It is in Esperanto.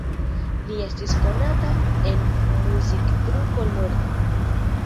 Li estis konata en muzikgrupo "Lord".